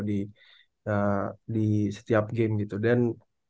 di setiap game gitu dan